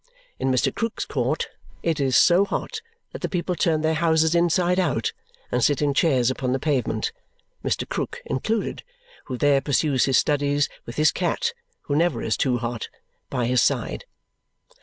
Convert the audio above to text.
In Mr. Krook's court, it is so hot that the people turn their houses inside out and sit in chairs upon the pavement Mr. Krook included, who there pursues his studies, with his cat (who never is too hot) by his side.